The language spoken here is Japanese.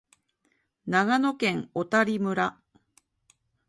長野県小谷村